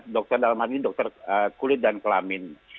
dokter dalam hal ini dokter kulit dan kelamin